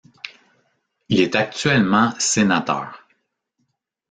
Il est actuellement sénateur.